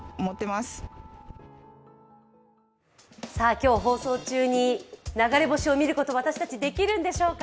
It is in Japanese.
今日放送中に流れ星を見ること、私たち、できるんでしょうか。